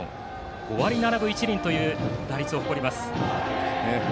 ５割７分１厘という打率を誇ります。